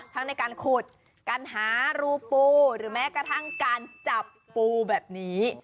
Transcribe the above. ในการขุดการหารูปูหรือแม้กระทั่งการจับปูแบบนี้